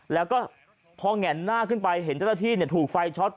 แล้วก็พอแง่นหน้าขึ้นไปเห็นเจ้าหน้าที่ถูกไฟช็อต